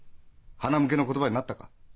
はなむけの言葉になったか？